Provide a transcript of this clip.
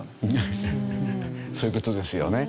そういう事ですよね。